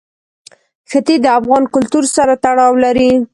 ښتې د افغان کلتور سره تړاو لري.